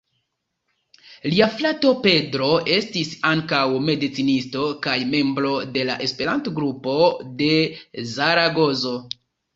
Lia frato Pedro estis ankaŭ medicinisto, kaj membro de la Esperanto-grupo de Zaragozo.